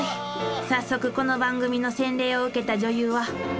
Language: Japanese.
［早速この番組の洗礼を受けた女優は］